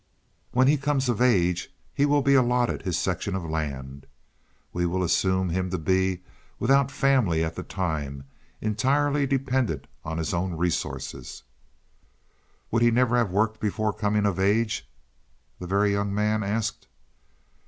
When he comes of age he will be allotted his section of land. We will assume him to be without family at that time, entirely dependent on his own resources." "Would he never have worked before coming of age?" the Very Young Man asked.